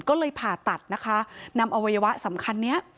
ก็เลยผ่าตัดนะคะนำอวัยวะสำคัญนี้